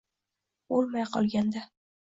O’lmay qolganda.